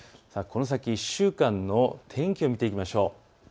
この先１週間の天気を見ていきましょう。